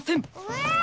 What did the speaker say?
え？